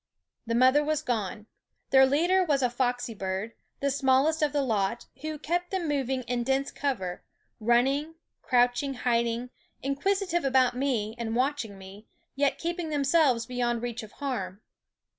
The mother was gone; their leader was a foxy bird, the smallest of the lot, who kept them moving in dense cover, running, crouching, hiding, inquisitive about me and watching me, yet keeping themselves beyond reach of harm.